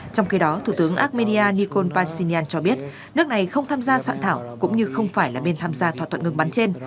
trong khi đó thủ tướng armenia nikol pashinyan cho biết nước này không tham gia soạn thảo cũng như không phải là bên tham gia thỏa thuận ngừng bắn trên